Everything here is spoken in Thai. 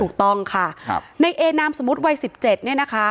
ถูกต้องค่ะครับนายเอนามสมมติวัยสิบเจ็ดเนี่ยนะคะ